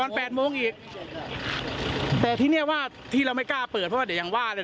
แต่ที่นี่ที่เราไม่กล้าเปิดเพราะว่าเเหว่นไร๑๒๐๐